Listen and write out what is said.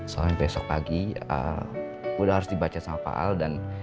soalnya besok pagi udah harus dibaca sama paal dan